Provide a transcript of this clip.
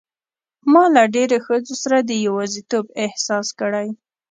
ما له ډېرو ښځو سره د یوازیتوب احساس کړی.